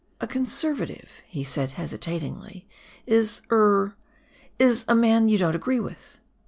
" A Conservative," he said hesitatingly, " is — er — is a man you don't agree with